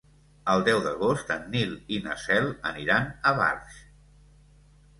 El deu d'agost en Nil i na Cel aniran a Barx.